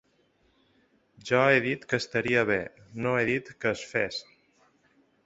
Jo he dit que estaria bé, no he dit que es fes.